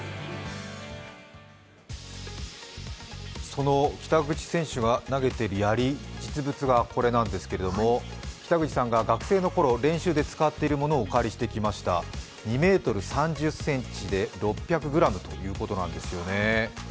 その北口選手が投げているやり、実物がこれなんですけど北口さんが学生のころ練習で使っていたのをお借りしてきました２ｍ３０ｃｍで６００ｇということなんですよね。